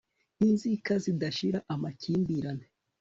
inzika zidashira, amakimbirane